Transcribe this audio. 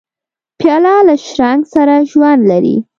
پیاله له شرنګ سره ژوند لري.